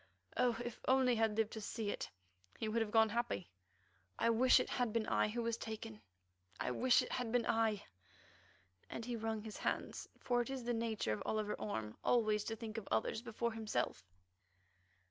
Oh! if only he had lived to see it, he would have gone happy. I wish it had been I who was taken; I wish it had been I!" and he wrung his hands, for it is the nature of Oliver Orme always to think of others before himself.